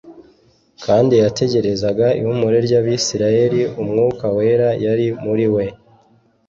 kandi yategerezaga ihumure ry'Abisirayeli, Umwuka wera yari muri we.